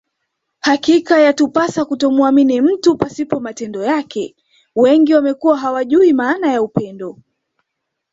Hakika yatupasa kutomuamini mtu pasipo matendo yake wengi wamekuwa hawajui maana ya upendo